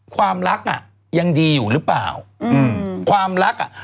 ความรักอ่ะยังดีอยู่หรือเปล่าอืมความรักอ่ะ